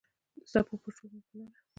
د څپو پر شور مې پلونه